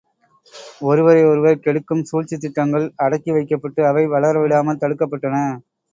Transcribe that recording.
ஒருவரை ஒருவர் கெடுக்கும் சூழ்ச்சித் திட்டங்கள் அடக்கி வைக்கப்பட்டு அவை வளரவிடாமல் தடுக்கப்பட்டன.